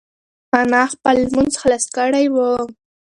انا خپل لمونځ خلاص کړی و.